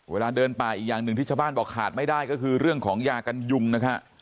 เวลาเดินป่าอีกอย่างหนึ่งที่ชาวบ้านบอกขาดไม่ได้ก็คือเรื่องของยากันยุงนะฮะ